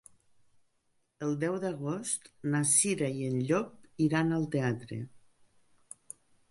El deu d'agost na Cira i en Llop iran al teatre.